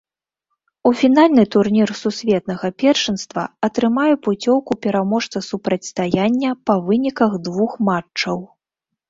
У фінальны турнір сусветнага першынства атрымае пуцёўку пераможца супрацьстаяння па выніках двух матчаў.